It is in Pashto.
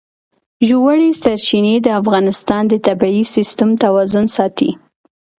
ژورې سرچینې د افغانستان د طبعي سیسټم توازن ساتي.